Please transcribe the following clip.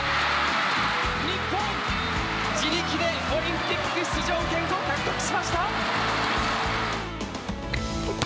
日本、自力でオリンピック出場権を獲得しました！